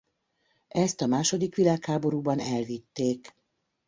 Ezt a második világháborúban elvitték.